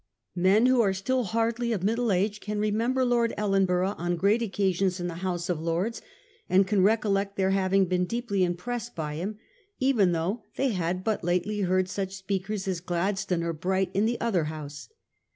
Men who are still hardly of middle age can remember Lord Ellenborough on great occasions in the House of Lords, and can recol lect their having been deeply impressed by him, even though they had but lately heard such speakers as Gladstone or Bright in the other House.